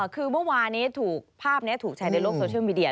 คือเมื่อวานี้ถูกภาพนี้ถูกแชร์ในโลกโซเชียลมีเดีย